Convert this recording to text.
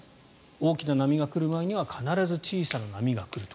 大きな波が来る前には必ず小さな波が来ると。